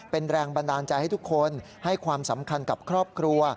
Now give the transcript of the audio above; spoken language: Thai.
เป็นแรงบันดาลใจให้ทุกคนให้ความสำคัญกับครอบครัว